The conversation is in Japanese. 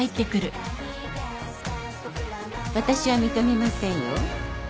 私は認めませんよ。